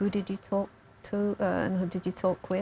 dan dengan siapa yang anda berbicara